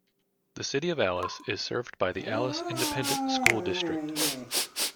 The City of Alice is served by the Alice Independent School District.